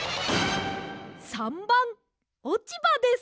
③ばんおちばです！